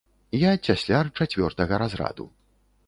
Я цясляр чацвёртага разраду.